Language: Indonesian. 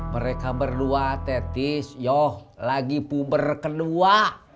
mereka berdua teh tis yoh lagi puber kedua